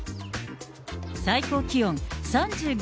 最高気温３５．２度。